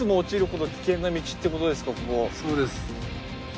そうです。